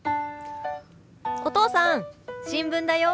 お父さん新聞だよ。